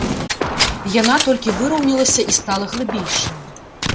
Яна толькі выраўнялася і стала глыбейшая.